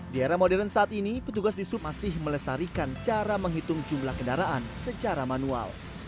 di era modern saat ini petugas di sub masih melestarikan cara menghitung jumlah kendaraan secara manual